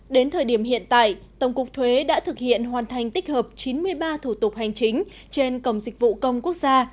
đến thời điểm hiện tại tổng cục thuế đã thực hiện hoàn thành tích hợp chín mươi ba thủ tục hành chính trên cổng dịch vụ công quốc gia